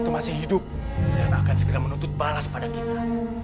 itu masih hidup dan akan segera menuntut balas pada kita